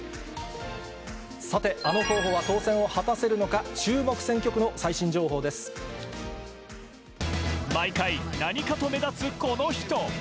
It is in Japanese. さて、あの候補は当選を果たせる毎回、何かと目立つこの人。